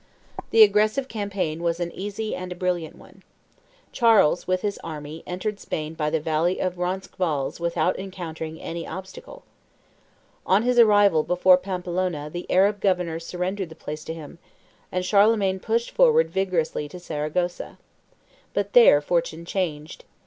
The aggressive campaign was an easy and a brilliant one. Charles with his army entered Spain by the valley of Roncesvalles without encountering any obstacle. On his arrival before Pampeluna the Arab governor surrendered the place to him, and Charlemagne pushed forward vigorously to Saragossa. But there fortune changed.